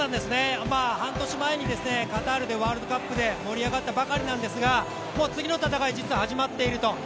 半年前にカタールでワールドカップで盛り上がったばかりなんですがもう次の戦いが実は始まっていると。